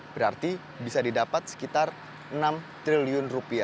berarti bisa didapat sekitar rp enam triliun